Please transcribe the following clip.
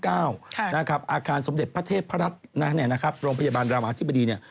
อาการสมเด็จพระเทศพระรัฐโรงพยาบาลราวอธิบดี